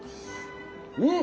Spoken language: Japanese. うん！